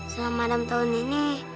selama enam tahun ini